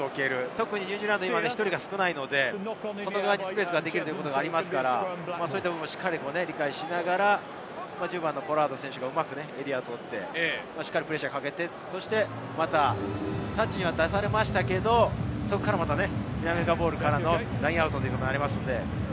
特にニュージーランドは１人少ないので、外側にスペースができることがありますから、それを理解しながらポラード選手がうまくエリアを取って、しっかりプレッシャーをかけて、タッチに出されましたけれど、そこからまた南アフリカボールからのラインアウトになります。